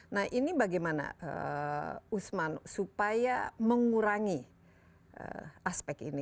nah ini bagaimana usman supaya mengurangi aspek ini